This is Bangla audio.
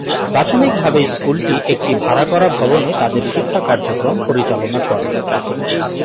প্রাথমিক ভাবে স্কুলটি একটি ভাড়া করা ভবনে তাদের শিক্ষা কার্যক্রম পরিচালনা করে।